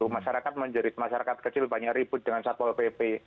masyarakat menjerit masyarakat kecil banyak ribut dengan satpol pp